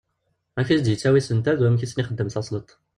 Amek i as-d-yettawi isental d wamek i asen-ixeddem tasleḍt.